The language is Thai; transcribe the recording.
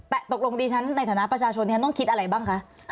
แต่ตกลงดิฉันในฐานะประชาชนฉันต้องคิดอะไรบ้างคะ